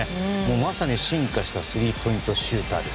まさに進化したスリーポイントシューターです。